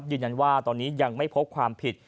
ยืนยันว่าตอนนี้ยังไม่พบความผิด